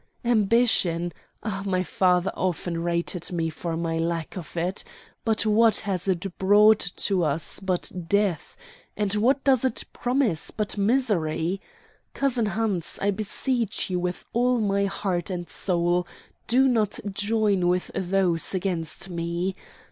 Ambition ah, my father often rated me for my lack of it; but what has it brought to us but death, and what does it promise but misery? Cousin Hans, I beseech you with all my heart and soul do not join with those against me.